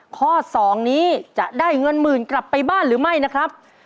ข้อ๒นี้จะได้เงินหมื่นกลับไปบ้านหรือไม่นะครับ